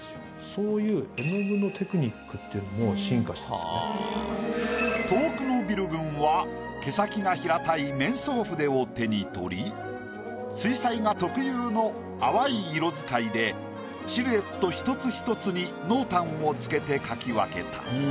そういう遠くのビル群は毛先が平たい面相筆を手に取り水彩画特有の淡い色使いでシルエット１つ１つに濃淡をつけて描き分けた。